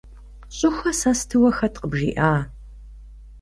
Щӏыхуэ сэ стыуэ хэт къыбжиӏа?